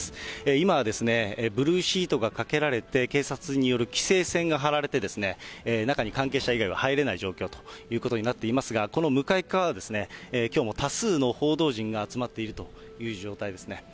今、ブルーシートがかけられて、警察による規制線が張られて、中に関係者以外は入れない状況ということになっていますが、この向かい側は、きょうも多数の報道陣が集まっているという状態ですね。